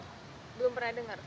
belum pernah dengar